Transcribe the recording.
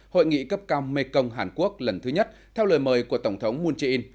hội nghị cấp cao mekong hàn quốc lần thứ nhất theo lời mời của tổng thống moon jae in